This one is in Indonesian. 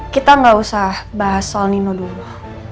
kita nggak usah bahas soal nino dulu